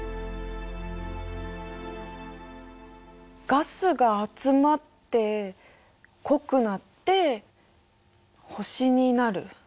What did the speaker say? ガスが集まって濃くなって星になる。